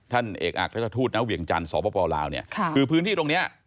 ท่านเอกอักและทูตน้องเวียงจันทร์สปลาวคือพื้นที่ตรงนี้